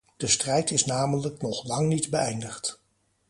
De strijd is namelijk nog lang niet beëindigd.